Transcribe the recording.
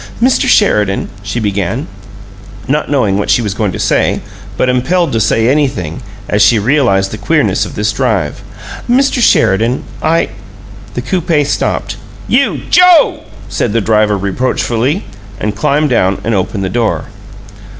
"Mr. Sheridan," she began, not knowing what she was going to say, but impelled to say anything, as she realized the queerness of this drive "Mr. Sheridan, I " The coupe stopped. "You, JOE!" said the driver, reproachfully, and climbed down and opened the door.